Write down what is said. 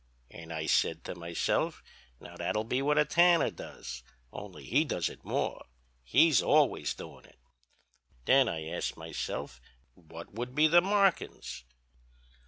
An' I said to myself, now that'll be what a tanner does, only he does it more.... he's always doin' it. Then I asks myself what would be the markin's?'